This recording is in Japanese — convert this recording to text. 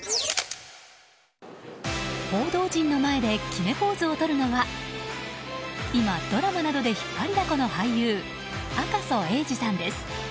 報道陣の前で決めポーズをとるのは今、ドラマなどで引っ張りだこの俳優、赤楚衛二さんです。